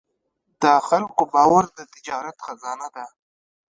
د خلکو باور د تجارت خزانه ده.